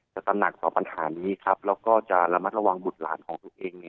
ตำหนักต่อปัญหานี้ครับแล้วก็จะระมัดระวังบุตรหลานของตัวเอง